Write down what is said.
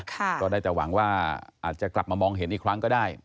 ก็ได้แต่หวังว่าอาจจะกลับมามองเห็นอีกครั้งก็ได้